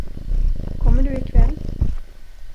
Kommer du ikväll?